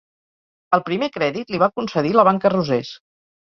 El primer crèdit li va concedir la Banca Rosés.